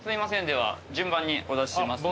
では順番にお出ししますね。